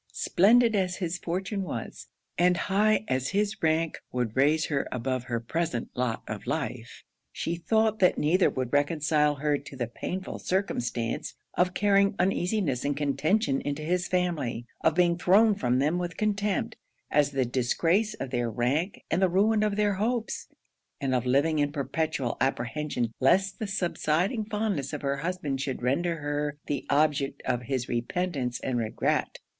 Splendid as his fortune was, and high as his rank would raise her above her present lot of life, she thought that neither would reconcile her to the painful circumstance of carrying uneasiness and contention into his family; of being thrown from them with contempt, as the disgrace of their rank and the ruin of their hopes; and of living in perpetual apprehension lest the subsiding fondness of her husband should render her the object of his repentance and regret.